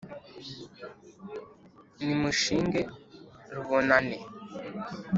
Nimushinge rubonane!”